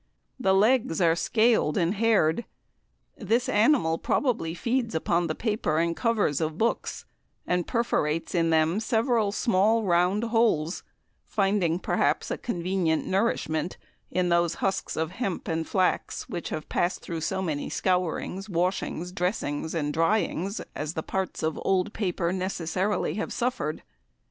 The legs are scal'd and hair'd. This animal probably feeds upon the paper and covers of books, and perforates in them several small round holes, finding perhaps a convenient nourishment in those husks of hemp and flax, which have passed through so many scourings, washings, dressings, and dryings as the parts of old paper necessarily have suffer'd.